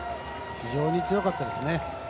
非常に強かったですね。